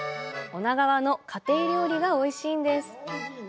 女川の家庭料理がおいしいんです！